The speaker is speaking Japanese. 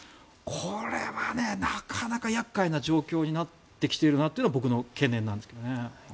これはね、なかなか厄介な状況になってきているなというのが僕の懸念です。